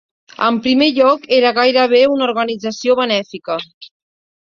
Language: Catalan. En primer lloc, era gairebé una organització benèfica.